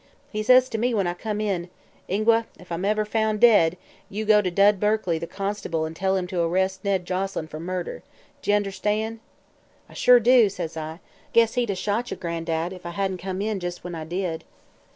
He says to me when I come in: "'Ingua, if ever I'm found dead, you go to Dud Berkey, the constable, an' tell him to arrest Ned Joselyn for murder. D'ye understan'?' "'I sure do,' says I. 'Guess he'd 'a' shot ye, Gran'dad, if I hadn't come in just when I did.'